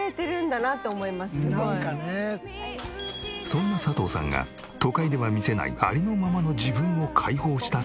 そんな佐藤さんが都会では見せないありのままの自分を解放した姿が。